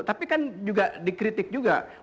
tapi kan juga dikritikkan